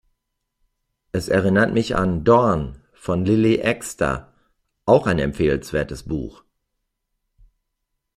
Es erinnert mich an "Dorn" von Lilly Axster, auch ein empfehlenswertes Buch.